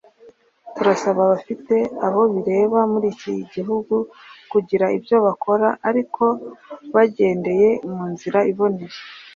turasaba abafite abo bireba muri iki gihugu kugira ibyo bakora ariko bagendeye mu nzira iboneye